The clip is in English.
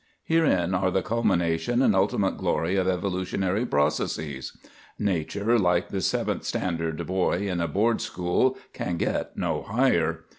Herein are the culmination and ultimate glory of evolutionary processes. Nature, like the seventh standard boy in a board school, "can get no higher."